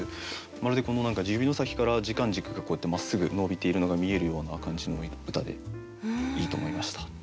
まるでこの指の先から時間軸がこうやってまっすぐ伸びているのが見えるような感じの歌でいいと思いました。